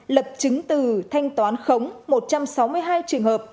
lập chứng từ thanh toán khống một trăm sáu mươi hai trường hợp